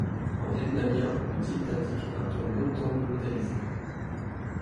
En vietnamien, le tilde indique un ton montant glottalisé.